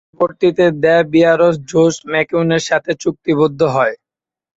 পরবর্তীতে the Bears Josh ম্যাককউনের সাথে চুক্তিবদ্ধ হয়।